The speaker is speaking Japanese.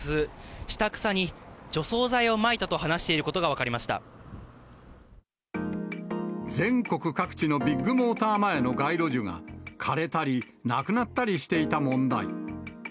下草に除草剤をまいたと話していることが分かり全国各地のビッグモーター前の街路樹が、枯れたりなくなったりしていた問題。